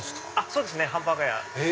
そうですねハンバーガー屋です。